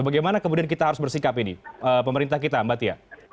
bagaimana kemudian kita harus bersikap ini pemerintah kita mbak tia